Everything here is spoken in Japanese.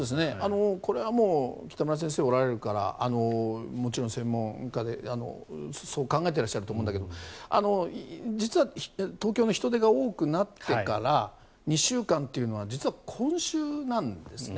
これは北村先生がおられるからもちろん専門家でそう考えていらっしゃると思うんだけど実は東京の人出が多くなってから２週間というのは実は今週なんですね。